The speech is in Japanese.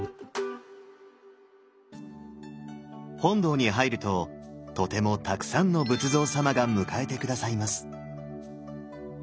本堂に入るととてもたくさんの仏像様が迎えて下さいます。